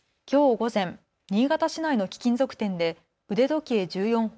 午前、新潟市内の貴金属店で腕時計１４本